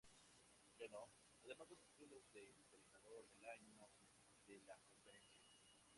Ganó además dos títulos de Entrenador del Año de la conferencia.